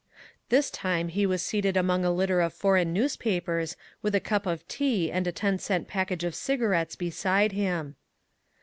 This time he was seated among a litter of foreign newspapers with a cup of tea and a ten cent package of cigarettes beside him.